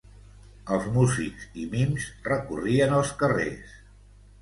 Els músics i mims recorrien els carrers.